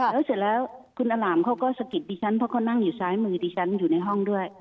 แล้วเสร็จแล้วคุณอลามเขาก็สะกิดดิฉันเพราะเขานั่งอยู่ซ้ายมือดิฉันอยู่ในห้องด้วย